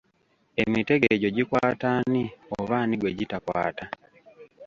Emitego egyo gikwata ani oba ani gwe gitakwata?